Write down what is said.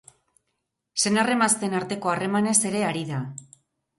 Senar emazteen arteko harremanez ere ari da.